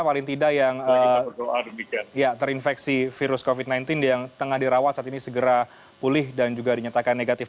paling tidak yang terinfeksi virus covid sembilan belas yang tengah dirawat saat ini segera pulih dan juga dinyatakan negatif